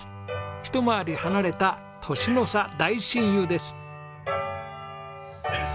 一回り離れた年の差大親友です。